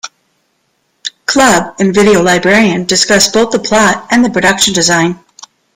Club, and "Video Librarian" discussed both the plot and the production design.